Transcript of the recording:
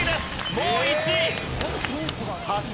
もう１位。